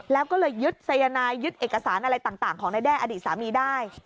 แล้วก็เลยยึดสายนายยึดเอกสารอะไรต่างของนายแด้อดีตสามีได้